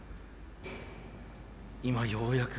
今ようやく。